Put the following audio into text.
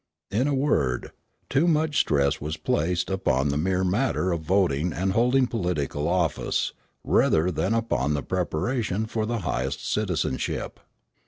In a word, too much stress was placed upon the mere matter of voting and holding political office rather than upon the preparation for the highest citizenship.